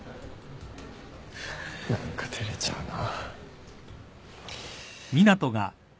何か照れちゃうな。